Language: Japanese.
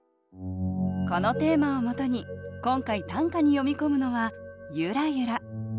このテーマをもとに今回短歌に詠み込むのは「ゆらゆら」。